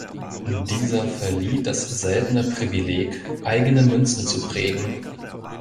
Dieser verlieh das seltene Privileg, eigene Münzen zu prägen.